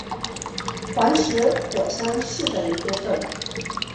黄石火山是的一部分。